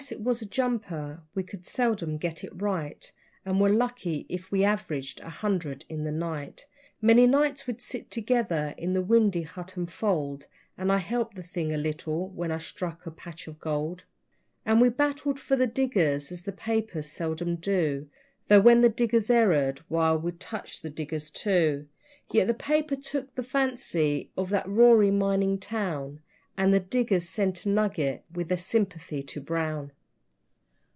It was a jumper we could seldom get it right, And were lucky if we averaged a hundred in the night. Many nights we'd sit together in the windy hut and fold, And I helped the thing a little when I struck a patch of gold; And we battled for the diggers as the papers seldom do, Though when the diggers errored, why, we touched the diggers too. Yet the paper took the fancy of that roaring mining town, And the diggers sent a nugget with their sympathy to Brown.